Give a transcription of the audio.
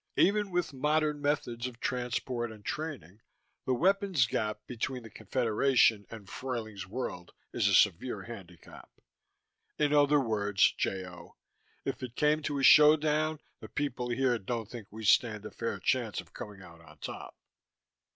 Even with modern methods of transport and training, the weapons gap between the Confederation and Fruyling's World is a severe handicap. In other words, J. O., if it came to a showdown the people here don't think we stand a fair chance of coming out on top.